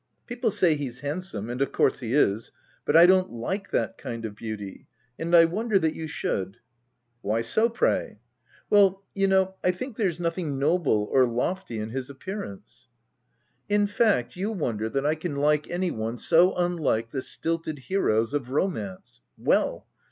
" People say he's handsome, and of course he is, but / don't like that kind of beauty ; and I wonder that you should." " Why so, pray ?"" Well, you know, I think there's nothing noble or lofty in his appearance." OF WILDFELL HALL. 21 " In fact, you wonder that I can like any one so unlike the stilted heroes of romance ? Well